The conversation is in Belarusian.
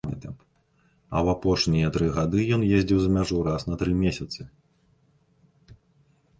А ў апошнія тры гады ён ездзіў за мяжу раз на тры месяцы.